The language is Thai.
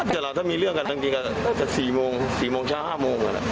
เจราะมีเรื่องกันจริงอะจาก๔โมง